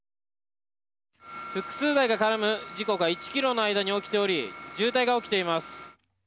複数台が絡む事故が１キロの間に起きており、渋滞が起きています。